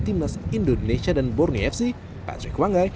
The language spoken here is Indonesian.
timnas indonesia dan borneo fc patrick wanggai